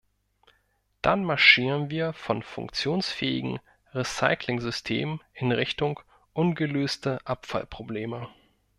Dann marschieren wir von funktionsfähigen Recycling-Systemen in Richtung ungelöste Abfallprobleme.